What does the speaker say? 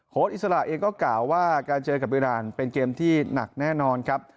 อิสระเองก็กล่าวว่าการเจอกับอิราณเป็นเกมที่หนักแน่นอนครับ